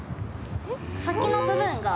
先の部分が。